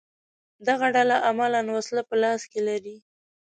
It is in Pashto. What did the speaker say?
دغه ډله عملاً وسله په لاس کې لري